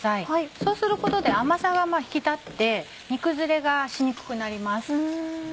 そうすることで甘さが引き立って煮崩れがしにくくなります。